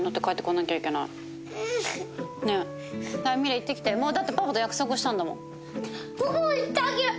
行って来てだってパパと約束したんだもん。